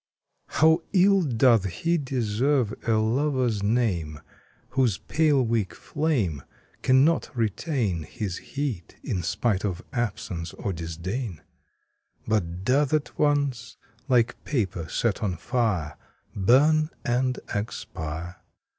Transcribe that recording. HOW ill doth lie deserve a Lover's name Whose pale weak flame Cannot retain His heat, in spite of absence or disdain ; But doth at once, like paper set on fire, Burn and expire